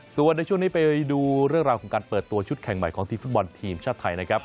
ส่วนในช่วงนี้ไปดูเรื่องราวของการเปิดตัวชุดแข่งใหม่ของทีมฟุตบอลทีมชาติไทยนะครับ